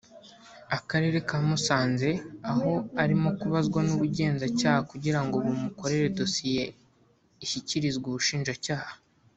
Akarere ka Musanze aho arimo kubazwa n’ubugenzacyaha kugirango bumukorere dosiye ishyikirizwe ubushinjacyaha